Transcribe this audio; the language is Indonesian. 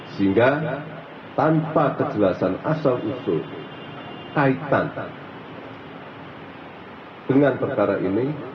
sehingga tanpa kejelasan asal usul kaitan dengan perkara ini